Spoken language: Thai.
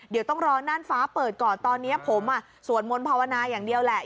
เดี๋ยวต้องรอน่านฟ้าเปิดก่อนตอนนี้ผมสวดมนต์ภาวนาอย่างเดียวแหละ